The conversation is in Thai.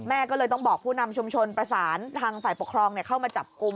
แม่ก็เลยต้องบอกผู้นำชุมชนประสานทางฝ่ายปกครองเข้ามาจับกลุ่ม